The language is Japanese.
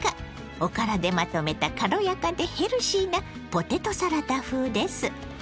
おからでまとめた軽やかでヘルシーなポテトサラダ風です。